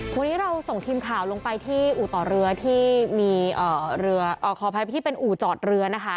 วันนี้เราส่งทีมข่าวลงไปที่อู่ต่อเรือที่มีเรือขออภัยที่เป็นอู่จอดเรือนะคะ